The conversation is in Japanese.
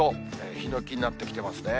ヒノキになってきてますね。